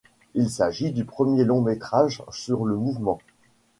Il s'agit du premier long métrage sur le mouvement.